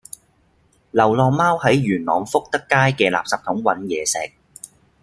流浪貓喺元朗福德街嘅垃圾桶搵野食